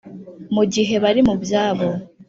mu gihe bari mu byabo,